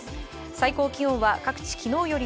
最高気温は各地、昨日より